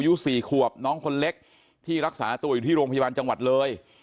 อายุ๔ขวบน้องคนเล็กที่รักษาตัวอยู่ที่โรงพยาบาลจังหวัดเลย